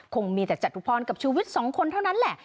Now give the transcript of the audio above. คงมีแต่จตุพรกับชีวิตสองคนเท่านั้นแหละ